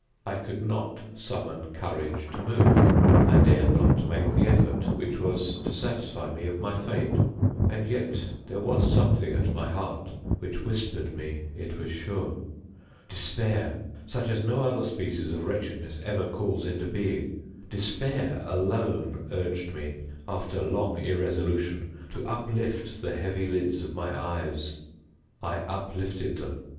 I could not summon courage to move. I dared not make the effort which was to satisfy me of my fate—and yet there was something at my heart which whispered me it was sure. Despair—such as no other species of wretchedness ever calls into being—despair alone urged me, after long irresolution, to uplift the heavy lids of my eyes. I uplifted them.